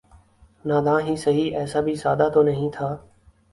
ناداں ہی سہی ایسا بھی سادہ تو نہیں تھا